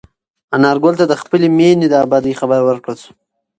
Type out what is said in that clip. انارګل ته د خپلې مېنې د ابادۍ خبر ورکړل شو.